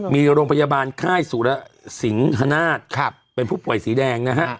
มีโรงพยาบาลค่ายสุรสิงฮนาศเป็นผู้ป่วยสีแดงนะฮะ